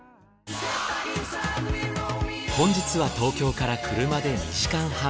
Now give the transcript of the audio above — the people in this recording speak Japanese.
本日は東京から車で２時間半。